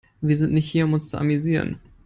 Wir sind nicht hier, um uns zu amüsieren.